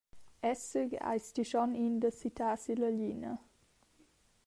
Esser eis ti schon in da sittar silla glina.